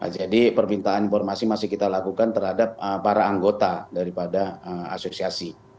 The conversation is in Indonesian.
jadi permintaan informasi masih kita lakukan terhadap para anggota daripada asosiasi